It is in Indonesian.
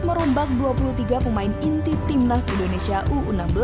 merombak dua puluh tiga pemain inti timnas indonesia u enam belas